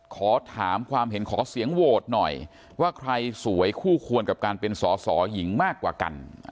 ขอถามความเห็นขอเสียงโหวตหน่อยว่าใครสวยคู่ควรกับการเป็นสอสอหญิงมากกว่ากัน